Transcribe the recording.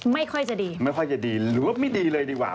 ไม่ค่อยจะดีไม่ค่อยจะดีหรือว่าไม่ดีเลยดีกว่า